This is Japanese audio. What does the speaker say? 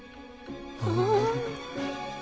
ああ。